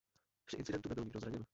Při incidentu nebyl nikdo zraněn.